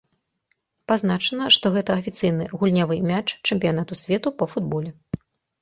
Пазначана, што гэта афіцыйны гульнявы мяч чэмпіянату свету па футболе.